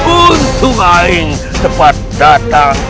untung aing cepat datang